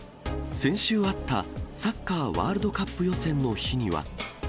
先週あったサッカーワールドカップ予選の日には。